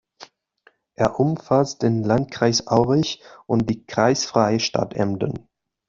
Er umfasst den Landkreis Aurich und die kreisfreie Stadt Emden.